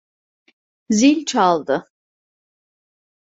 Zil çaldı.